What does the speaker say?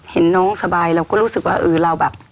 เห็นน้องสบายเราก็รู้สึกว่าเออเราแบบ